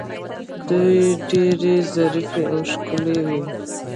دوی ډیرې ظریفې او ښکلې وې